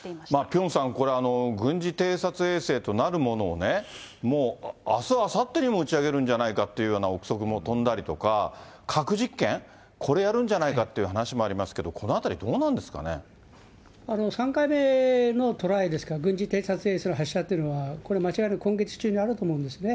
ピョンさん、これ、軍事偵察衛星となるものをね、もうあす、あさってにも、打ち上げるんじゃないかっていうような臆測もとんだりとか、核実験、これやるんじゃないかっていう話もありますけど、このあたり３回目のトライですか、軍事偵察衛星の発射というのは、これ間違いなく今月中にあると思うんですね。